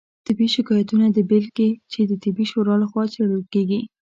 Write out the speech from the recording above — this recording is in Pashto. طبي شکایتونو بیلګې چې د طبي شورا لخوا څیړل کیږي